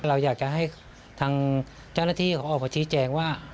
เราอยากจะให้ทางเจ้าหน้าที่เขาออกมาชี้แจงว่า